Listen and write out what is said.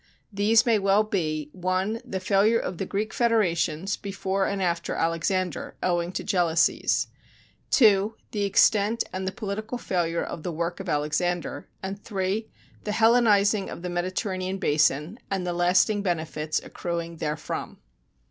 These may well be: 1, the failure of the Greek federations before and after Alexander, owing to jealousies; 2, the extent and the political failure of the work of Alexander, and 3, the Hellenizing of the Mediterranean basin and the lasting benefits accruing therefrom.